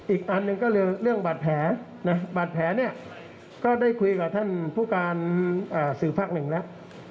อีกอันหนึ่งก็คือเรื่องบาดแผลนะบาดแผลบาดแผลเนี่ยก็ได้คุยกับท่านผู้การสื่อภาคหนึ่งแล้ว